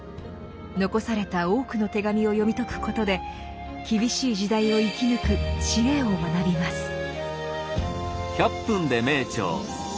残された多くの手紙を読み解くことで厳しい時代を生き抜く知恵を学びます。